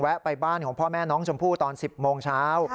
ไปบ้านของพ่อแม่น้องชมพู่ตอน๑๐โมงเช้า